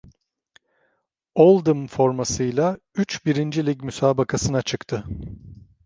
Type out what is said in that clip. Oldham formasıyla üç Birinci Lig müsabakasına çıktı.